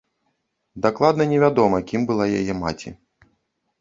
Дакладна не вядома, кім была яе маці.